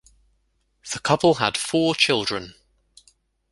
The couple had four children.